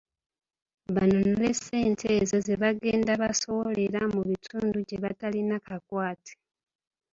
Banunule ssente ezo zebagenda basowerera mu bitundu gyebatalina kakwate